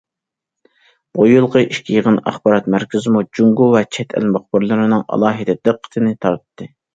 بۇ يىلقى ئىككى يىغىن ئاخبارات مەركىزىمۇ جۇڭگو ۋە چەت ئەل مۇخبىرلىرىنىڭ ئالاھىدە دىققىتىنى تارتتى.